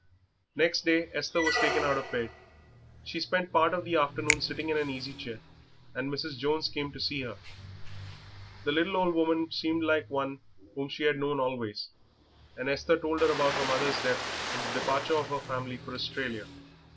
Next day Esther was taken out of bed. She spent part of the afternoon sitting in an easy chair, and Mrs. Jones came to see her. The little old woman seemed like one whom she had known always, and Esther told her about her mother's death and the departure of her family for Australia.